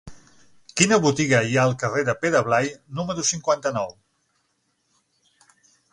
Quina botiga hi ha al carrer de Pere Blai número cinquanta-nou?